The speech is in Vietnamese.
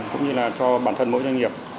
cũng như là cho bản thân mỗi doanh nghiệp